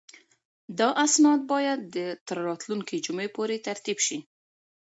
دا اسناد باید تر راتلونکې جمعې پورې ترتیب شي.